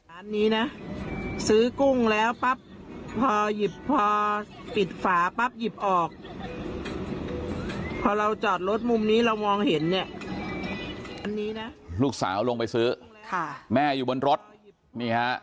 อันนี้นะซื้อกุ้งแล้วปั๊บพอหยิบพอปิดฝาปั๊บหยิบออก